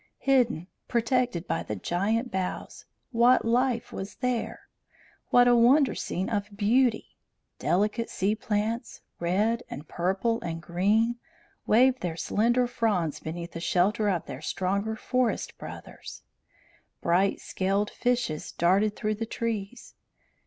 Hidden, protected by the giant boughs, what life was here! What a wonder scene of beauty! Delicate sea plants, red and purple and green, waved their slender fronds beneath the shelter of their stronger forest brothers. Bright scaled fishes darted through the trees.